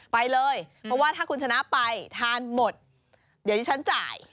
ไปเลยเพราะว่าถ้าคุณชนะไปทานหมดเดี๋ยวที่ฉันจ่าย